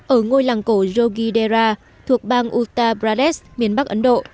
ở ngôi làng cổ yogidera thuộc bang uttar pradesh miền bắc ấn độ